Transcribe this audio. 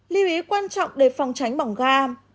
lưu ý quan trọng để phòng tránh bỏng ga